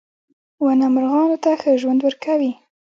• ونه مرغانو ته ښه ژوند ورکوي.